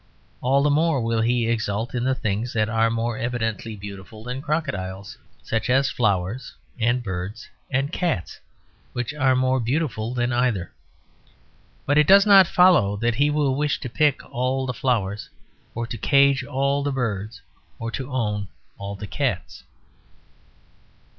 All the more will he exult in the things that are more evidently beautiful than crocodiles, such as flowers and birds and cats which are more beautiful than either. But it does not follow that he will wish to pick all the flowers or to cage all the birds or to own all the cats.